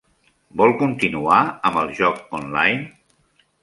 Vol continuar amb el joc online?